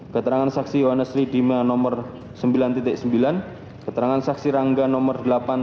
keterangan saksi rangga nomor delapan dua puluh dua